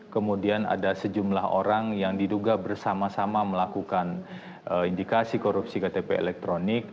kemudian ada sejumlah orang yang diduga bersama sama melakukan indikasi korupsi ktp elektronik